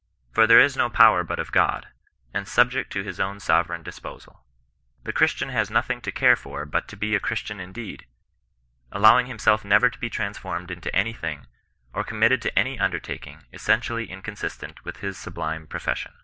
" For there is no power but of God," and subject to his own sovereign disposal. The Christian has nothing to care for but to be a Christian indeed, allowing himself never to be transformed into any thing, or committed to any undertaking essentially inconsistent with his sublime profession.